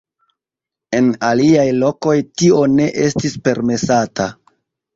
En aliaj lokoj tio ne estis permesata.